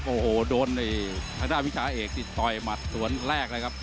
โอ้โหโดนทางด้านวิชาเอกติดต่อยหมัดสวนแรกเลยครับ